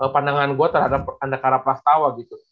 pandangan gua terhadap anda karena pras tawa gitu